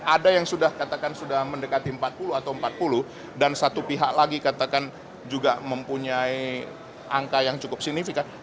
ada yang sudah katakan sudah mendekati empat puluh atau empat puluh dan satu pihak lagi katakan juga mempunyai angka yang cukup signifikan